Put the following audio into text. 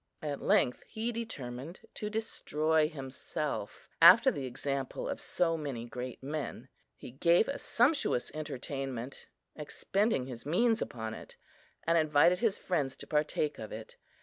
At length he determined to destroy himself, after the example of so many great men. He gave a sumptuous entertainment, expending his means upon it, and invited his friends to partake of it.